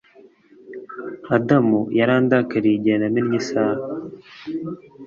Adam yarandakariye igihe namennye isaha